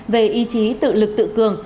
về ý chí tự lực tự cường